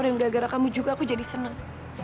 dan gara gara kamu juga saya jadi senang